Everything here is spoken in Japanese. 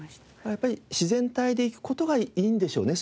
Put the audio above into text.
やっぱり自然体でいく事がいいんでしょうね。